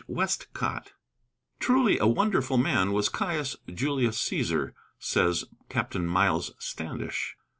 WESTCOTT "Truly a wonderful man was Caius Julius Cæsar," says Captain Miles Standish.